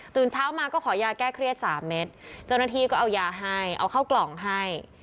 เช้ามาก็ขอยาแก้เครียดสามเม็ดเจ้าหน้าที่ก็เอายาให้เอาเข้ากล่องให้